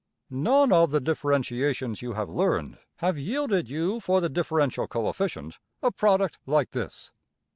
None of the differentiations you have learned have yielded you for the differential coefficient a product like this.